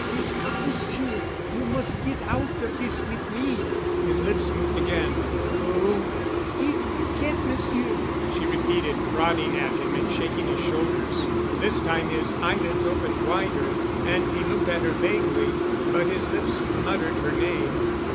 "Wake up, Monsieur! You mus' get out of dis wit' me——" His lips moved again. "Who——" "It's Piquette, Monsieur," she repeated, prodding at him and shaking his shoulders. This time his eyelids opened wider, and he looked at her vaguely. But his lips muttered her name.